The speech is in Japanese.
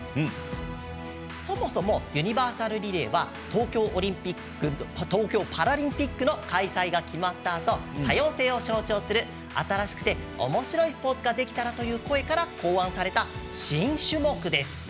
そもそも、ユニバーサルリレーは東京パラリンピックの開催が決まったあと多様性を象徴する、新しくておもしろいスポーツができたらという声から考案された新種目です。